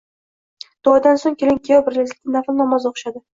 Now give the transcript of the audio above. Duodan so‘ng kelin-kuyov birgalikda nafl namoz o‘qishadi.